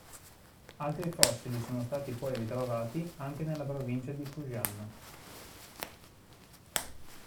Altri fossili sono stati poi ritrovati anche nella provincia di Fujian.